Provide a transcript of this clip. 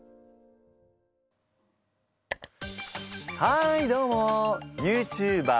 はいどうも！